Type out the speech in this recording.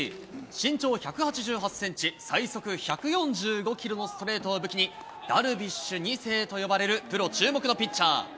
身長１８８センチ、最速１４５キロのストレートを武器に、ダルビッシュ２世と呼ばれる、プロ注目のピッチャー。